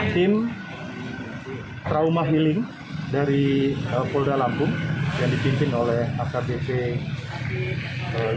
tim trauma healing dari polda lampung